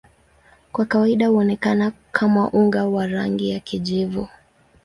Kwa kawaida huonekana kama unga wa rangi ya kijivu.